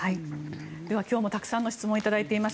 では今日もたくさんの質問を頂いています。